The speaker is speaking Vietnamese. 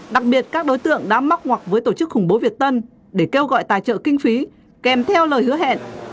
đặc biệt các đối tượng đã móc ngoặc với tổ chức khủng bố việt tân để kêu gọi tài trợ kinh phí kèm theo lời hứa hẹn